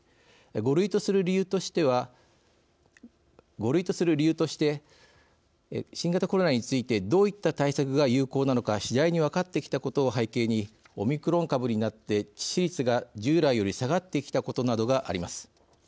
５類とする理由としては５類とする理由として新型コロナについてどういった対策が有効なのか次第に分かってきたことを背景にオミクロン株になって致死率が従来より下がってきたことなどがあります。